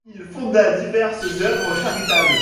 Il fonda diverses œuvres charitables.